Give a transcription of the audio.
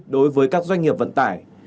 đối với các doanh nghiệp vận tải